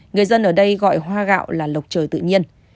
người dân ở đây gọi hoa gạo là lộc trời tự nhiên